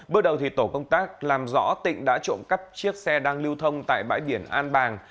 bước đầu tổ công tác làm rõ tỉnh đã trộm cắp chiếc xe đang lưu thông tại bãi biển an bàng